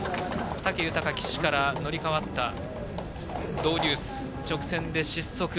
武豊騎手から乗り代わったドウデュース直線で失速。